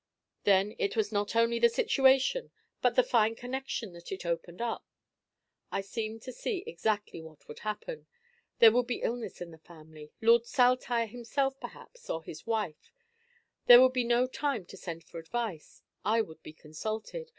Then it was not only the situation, but the fine connection that it opened up. I seemed to see exactly what would happen. There would be illness in the family, Lord Saltire himself perhaps, or his wife. There would be no time to send for advice. I would be consulted.